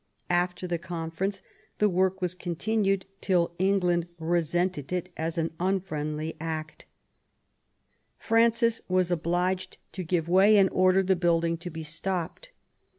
After the conference the work was continued till England resented it as an unfriendly act. Francis was obliged to give way, and Y THE CONFEEENCE OF CALAIS 69 order the building to be stopped.